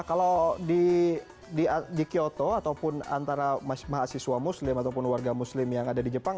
kalau di kyoto ataupun antara mahasiswa muslim ataupun warga muslim yang ada di jepang